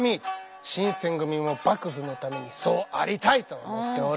新選組も幕府のためにそうありたいと思っておる。